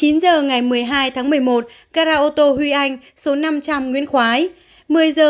chín giờ ngày một mươi hai tháng một mươi một gara ô tô huy anh số năm trăm linh nguyễn khói